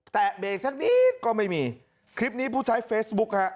เบรกสักนิดก็ไม่มีคลิปนี้ผู้ใช้เฟซบุ๊คฮะ